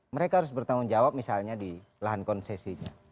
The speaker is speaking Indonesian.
mereka harus bertanggung jawab misalnya di lahan konsesinya